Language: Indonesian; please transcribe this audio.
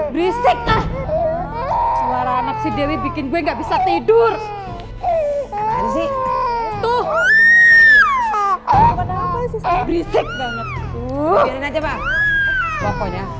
berisik ah suara anak si dewi bikin gue nggak bisa tidur tuh berisik banget tuh